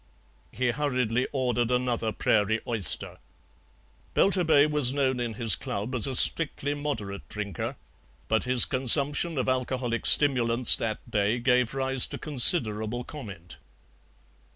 He hurriedly ordered another prairie oyster. Belturbet was known in his club as a strictly moderate drinker; his consumption of alcoholic stimulants that day gave rise to considerable comment.